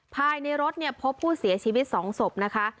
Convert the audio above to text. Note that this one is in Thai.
ภายในรถเนี่ยพบผู้เสียชีวิต๒ศพนะคะ